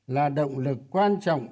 là động lực quan trọng